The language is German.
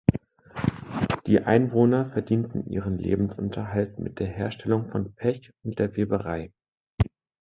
Die Einwohner verdienten ihren Lebensunterhalt mit der Herstellung von Pech und der Weberei.